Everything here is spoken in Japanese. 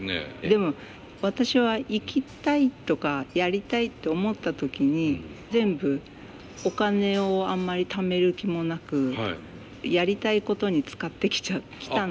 でも私は行きたいとかやりたいって思った時に全部お金をあんまりためる気もなくやりたいことに使ってきたので。